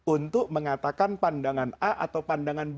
untuk mengatakan pandangan a atau pandangan b